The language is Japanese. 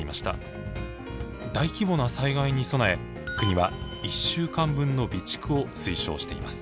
大規模な災害に備え国は１週間分の備蓄を推奨しています。